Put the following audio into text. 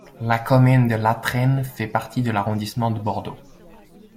La commune de Latresne fait partie de l'arrondissement de Bordeaux.